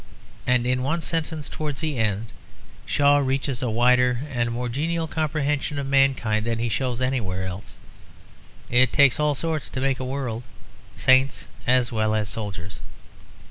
And in one sentence towards the end, Shaw reaches a wider and more genial comprehension of mankind than he shows anywhere else; "it takes all sorts to make a world, saints as well as soldiers."